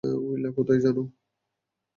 Will কোথায় জানো?